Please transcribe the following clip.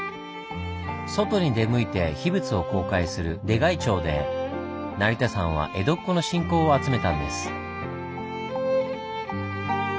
外に出向いて秘仏を公開する出開帳で成田山は江戸っ子の信仰を集めたんです。